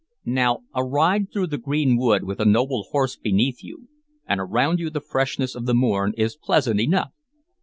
Now, a ride through the green wood with a noble horse beneath you, and around you the freshness of the morn, is pleasant enough.